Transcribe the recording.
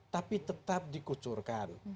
tapi tetap dikucurkan